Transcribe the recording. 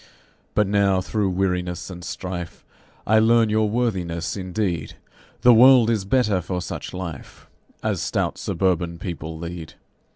But now thro' weariness and strife I learn your worthiness indeed, The world is better for such life As stout suburban people lead.